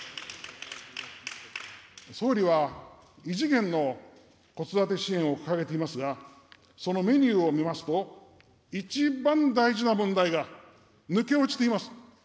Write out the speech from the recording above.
総理は異次元の子育て支援を掲げていますが、そのメニューを見ますと、一番大事な問題が抜け落ちています。